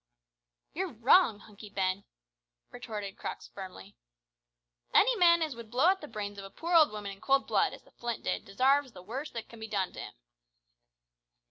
"You're wrong, Hunky Ben," retorted Crux firmly. "Any man as would blow the brains out of a poor old woman in cold blood, as the Flint did, desarves the worst that can be done to him."